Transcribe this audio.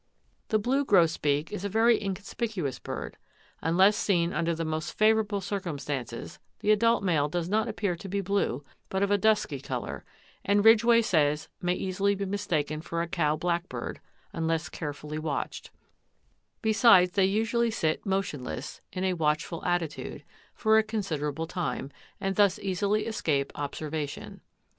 The blue grosbeak is a very inconspicuous bird. Unless seen under the most favorable circumstances the adult male does not appear to be blue, but of a dusky color, and Ridgway says may easily be mistaken for a cow blackbird, unless carefully watched; besides they usually sit motionless, in a watchful attitude, for a considerable time, and thus easily escape observation.